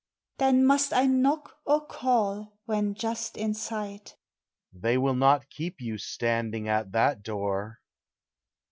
Then must I knock, or call when just in sight? They will not keep you standing at that door.